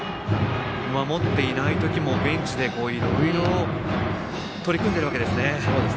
守っていない時もベンチでいろいろ取り組んでいるわけですね。